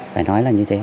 phải nói là như thế